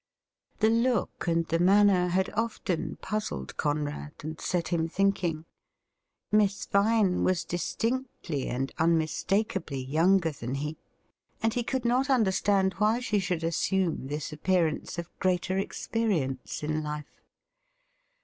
The look and the manner had often puzzled Conrad and set him think ing. Miss Vine was distinctly and unmistakably younger than he, and he could not understand why she should assume this appearance of greater experience in life.